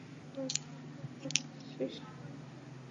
Josh, শুনতে পাচ্ছিস আমাকে?